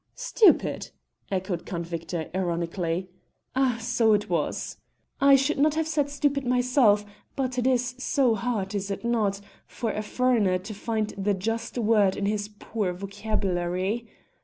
"Stupid!" echoed Count Victor ironically. "Ah! so it was. I should not have said stupid myself, but it so hard, is it not, for a foreigner to find the just word in his poor vocabulary?